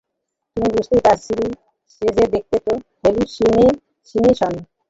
তুমি বুঝতেই পারছি, সে যা দেখত, তা হেলুসিনেশন।